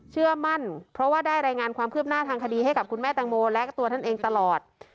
เชื่อมั่นเพราะว่าได้รายงานความคืบหน้าทางคดีให้กับคุณแม่แตงโมและตัวท่านเองตลอด